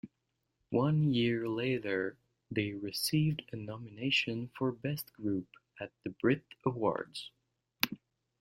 One year later they received a nomination for "Best Group" at the Brit Awards.